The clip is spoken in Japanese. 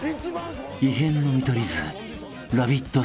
［異変の見取り図］